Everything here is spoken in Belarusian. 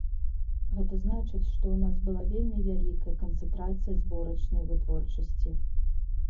Гэта значыць, што ў нас была вельмі вялікая канцэнтрацыя зборачнай вытворчасці.